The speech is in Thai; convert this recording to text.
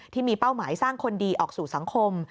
ที่มีเป้าหมายสร้างคนดีออกสู่สังคม